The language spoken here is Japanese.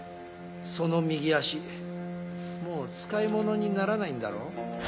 その右足もう使いものにならないんだろう？